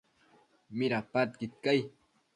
Midapadquid cai?